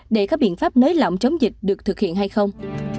để các biện pháp nới lỏng chống dịch được thực hiện hay không